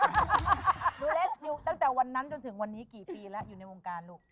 หนูเล็กอยู่ตั้งแต่วันนั้นจนถึงวันนี้กี่ปีแล้วอยู่ในวงการลูก